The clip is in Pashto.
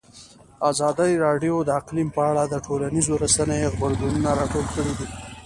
ازادي راډیو د اقلیم په اړه د ټولنیزو رسنیو غبرګونونه راټول کړي.